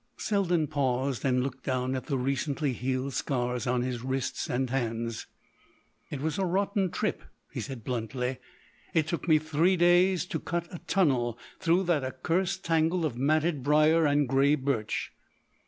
Selden paused and looked down at the recently healed scars on his wrists and hands. "It was a rotten trip," he said bluntly. "It took me three days to cut a tunnel through that accursed tangle of matted brier and grey birch....